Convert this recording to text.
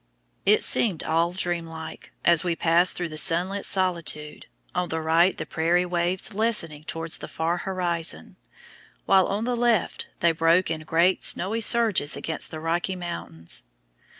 It seemed all dream like as we passed through the sunlit solitude, on the right the prairie waves lessening towards the far horizon, while on the left they broke in great snowy surges against the Rocky Mountains.